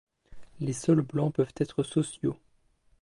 Les saules blancs peuvent être sociaux.